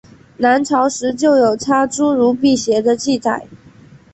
南朝时就有插茱萸辟邪的记载。